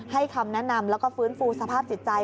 คำแนะนำแล้วก็ฟื้นฟูสภาพจิตใจ